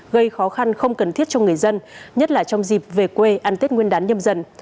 gây khó khăn không cần thiết cho người dân nhất là trong dịp về quê ăn tết nguyên đán nhâm dần